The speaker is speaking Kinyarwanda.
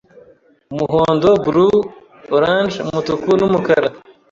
umuhondo, blues, orange, umutuku numukara